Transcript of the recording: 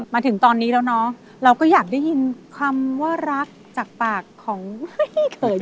มาถึงตอนนี้แล้วเนาะเราก็อยากได้ยินคำว่ารักจากปากของพี่เขย